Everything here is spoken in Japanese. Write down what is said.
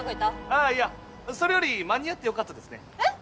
あぁいやそれより間に合ってよかったですねえっ？